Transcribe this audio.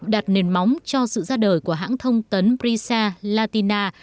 đặt nền móng cho sự ra đời của hãng thông tấn brisa latina